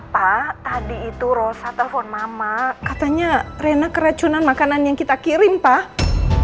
pak tadi itu rosa telepon mama katanya rena keracunan makanan yang kita kirim pak